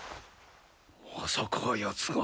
まさかあやつが？